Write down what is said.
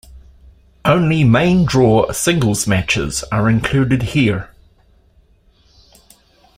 Only main draw singles matches are included here.